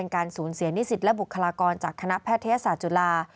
การสูญเสียนิสิตและบุคลากรจากคณะแพทยศาสตร์จุฬา